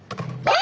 あ！